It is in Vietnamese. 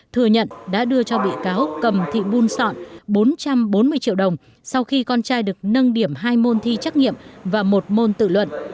thừa nhận đã đưa cho bị cáo cầm thị buôn sọn bốn trăm bốn mươi triệu đồng sau khi con trai được nâng điểm hai môn thi trắc nghiệm và một môn tự luận